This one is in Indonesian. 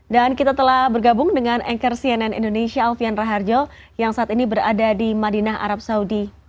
dan kita telah bergabung dengan anchor cnn indonesia alfian raharjo yang saat ini berada di madinah arab saudi